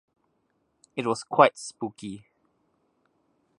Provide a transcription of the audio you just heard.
It was quite spooky.